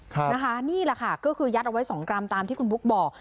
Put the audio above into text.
นะคะนี่แหละค่ะก็คือยัดเอาไว้สองกรัมตามที่คุณบุ๊กบอก